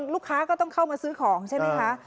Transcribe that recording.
ลูกค้าก็ต้องเข้ามาซื้อของใช่ไหมคะ